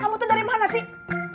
kamu tuh dari mana sih